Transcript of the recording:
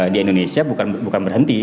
di indonesia bukan berhenti